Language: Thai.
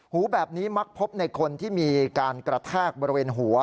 หูแบบนี้มักพบในคนที่มีการกระแทกบริเวณหัว